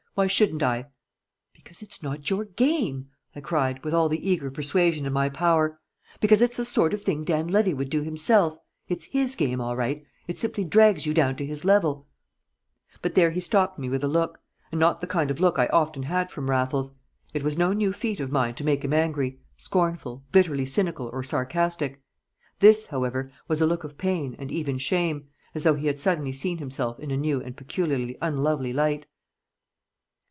Why shouldn't I?" "Because it's not your game!" I cried, with all the eager persuasion in my power. "Because it's the sort of thing Dan Levy would do himself it's his game, all right it simply drags you down to his level " But there he stopped me with a look, and not the kind of look I often had from Raffles, It was no new feat of mine to make him angry, scornful, bitterly cynical or sarcastic. This, however, was a look of pain and even shame, as though he had suddenly seen himself in a new and peculiarly unlovely light.